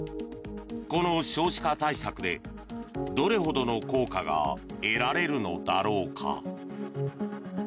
この少子化対策でどれほどの効果が得られるのだろうか。